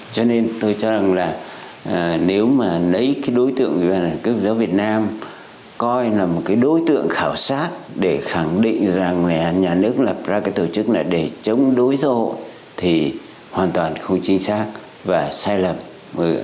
cho nên tôi cho rằng là nếu mà lấy cái đối tượng của giáo việt nam coi là một cái đối tượng khảo sát để khẳng định rằng nhà nước lập ra cái tổ chức này để chống đối giáo hội thì hoàn toàn không chính xác và sai lầm